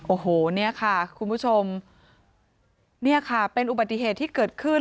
โอ้โหเนี่ยค่ะคุณผู้ชมเนี่ยค่ะเป็นอุบัติเหตุที่เกิดขึ้น